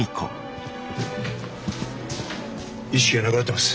意識がなくなってます。